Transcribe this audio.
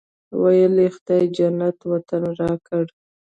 ویل یې خدای جنت وطن راکړی.